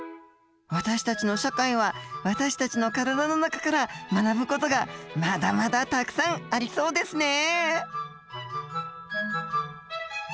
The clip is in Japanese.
私たちの社会は私たちの体の中から学ぶ事がまだまだたくさんありそうですね。